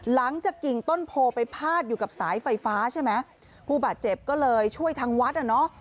กิ่งต้นโพไปพาดอยู่กับสายไฟฟ้าใช่ไหมผู้บาดเจ็บก็เลยช่วยทางวัดอ่ะเนอะ